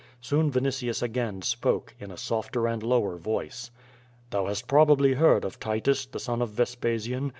Soon Yinitius again spoke, in a softer and lower voice: "Thou hast probably heard of Titus, the son of Vespasian?